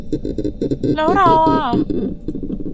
แล้วเราอะ